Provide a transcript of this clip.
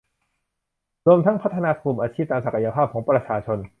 รวมทั้งพัฒนากลุ่มอาชีพตามศักยภาพของประชาชน